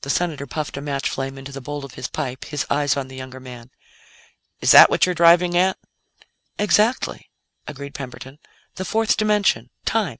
The Senator puffed a match flame into the bowl of his pipe, his eyes on the younger man. "Is that what you're driving at?" "Exactly," agreed Camberton. "The fourth dimension. Time.